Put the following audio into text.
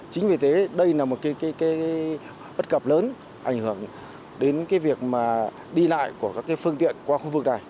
chính vì thế đây là một bất cập lớn ảnh hưởng đến việc đi lại của các phương tiện qua khu vực này